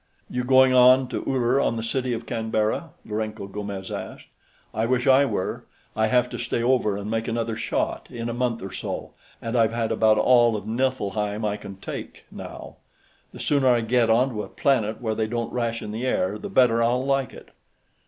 "You going on to Uller on the City of Canberra?" Lourenço Gomes asked. "I wish I were; I have to stay over and make another shot, in a month or so, and I've had about all of Niflheim I can take, now. The sooner I get onto a planet where they don't ration the air, the better I'll like it."